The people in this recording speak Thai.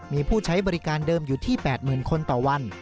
มีผู้ใช้บริการเดิมอยู่ที่๘๐๐๐คนต่อวัน